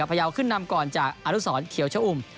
พยาวขึ้นนำก่อนจากอนุสรเขียวชะอุ่ม